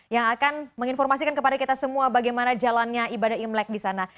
yang akan menginformasikan kepada kita semua bagaimana jalannya ibadah imlek di sana